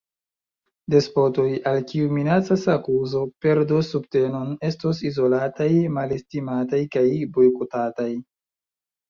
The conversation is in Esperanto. Despotoj, al kiuj minacas akuzo, perdos subtenon, estos izolataj, malestimataj kaj bojkotataj.